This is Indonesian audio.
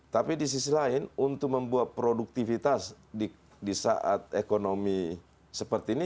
tapi di sisi lain untuk membuat produktivitas di saat ekonomi seperti ini